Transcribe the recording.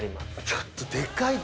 ちょっとデカい。